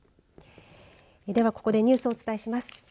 では、ここでニュースをお伝えします。